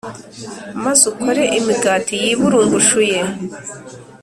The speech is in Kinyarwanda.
Maze ukore imigati yiburungushuye